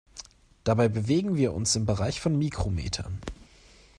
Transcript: Dabei bewegen wir uns im Bereich von Mikrometern.